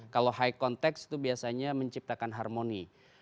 kalau high context itu biasanya menciptakan harmoni